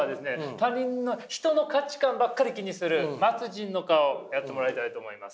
他人の人の価値観ばっかり気にする末人の顔をやってもらいたいと思います。